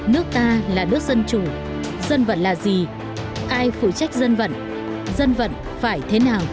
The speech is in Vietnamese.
nước ta là nước dân chủ dân vận là gì ai phụ trách dân vận dân vận phải thế nào